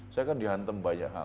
saya kan dihantam banyak hal